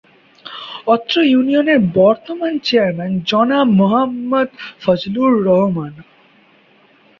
অত্র ইউনিয়নের বর্তমান চেয়ারম্যান জনাব মোহাম্মদ ফজলুর রহমান।